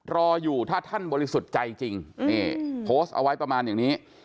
รออยู่ถ้าท่านบริสุทธิ์ใจจริงนี่โพสต์เอาไว้ประมาณอย่างนี้